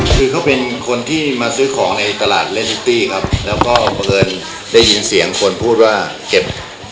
คือเขาเป็นคนที่มาซื้อของในตลาดเล่นซิตตี้ครับแล้วก็บังเอิญได้ยินเสียงคนพูดว่าเก็บ